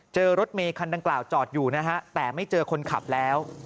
เจอรถเมชื่อคันด่างกล่าวจอดอยู่นะแต่ไม่เจอคนขับแล้ว